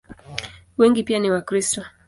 Wengi pia ni Wakristo.